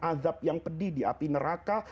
azab yang pedih di api neraka